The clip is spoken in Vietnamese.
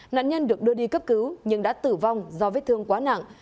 nạn nhân được đưa đi cấp cứu nhưng đã tử vong do vết thương quá nặng